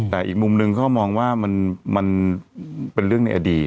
แต่อีกมุมหนึ่งเขามองว่ามันเป็นเรื่องในอดีต